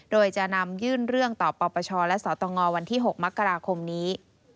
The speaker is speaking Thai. โดยจะนำยื่นเรื่องต่อปปชและสตงวันที่๖มกราคมนี้